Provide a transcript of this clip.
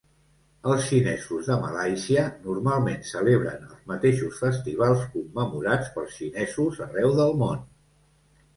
Els xinesos de Malàisia normalment celebren els mateixos festivals commemorats pels xinesos arreu del món.